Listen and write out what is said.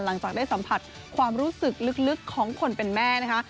หลังจากได้สัมผัสความรู้สึกลึกของคนเป็นแม่นะคะ